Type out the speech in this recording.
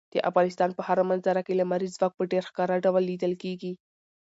د افغانستان په هره منظره کې لمریز ځواک په ډېر ښکاره ډول لیدل کېږي.